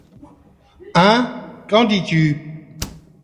Hein ! qu’en dis-tu ?